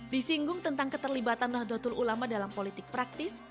disinggung tentang keterlibatan nahdlatul ulama dalam politik praktis